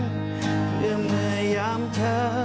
ด้วยเมื่อยามเธอ